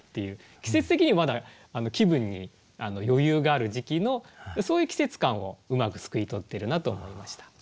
季節的にもまだ気分に余裕がある時期のそういう季節感をうまくすくい取ってるなと思いました。